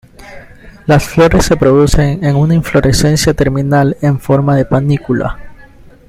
Las flores se producen en una inflorescencia terminal en forma de panícula.